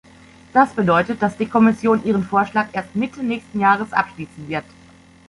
Das bedeutet, dass die Kommission ihren Vorschlag erst Mitte nächsten Jahres abschließen wird.